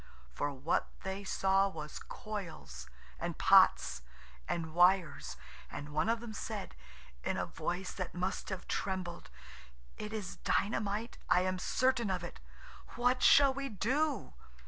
For what they saw was coils, and pots, and wires; and one of them said, in a voice that must have trembled– "It is dynamite, I am certain of it; what shall we do?"